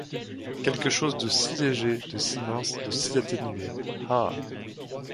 Quelque chose de si léger, de si mince, de si atténué..ha!